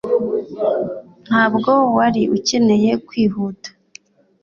ntabwo wari ukeneye kwihuta